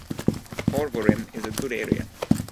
Porvorim is a good area.